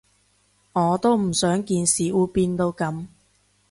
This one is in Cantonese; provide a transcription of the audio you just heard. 我都唔想件事會變到噉